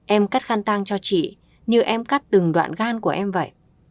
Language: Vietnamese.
em cắt khăn tăng cho chị như em cắt từng đoạn gan của em vậy